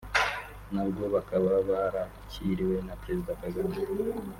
nabwo bakaba barakiriwe na Perezida Kagame